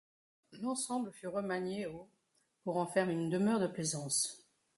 L'ensemble fut remanié au pour en faire une demeure de plaisance.